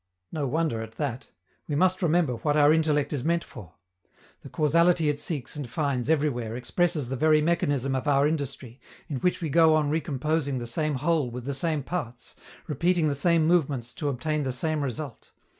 No wonder at that: we must remember what our intellect is meant for. The causality it seeks and finds everywhere expresses the very mechanism of our industry, in which we go on recomposing the same whole with the same parts, repeating the same movements to obtain the same result.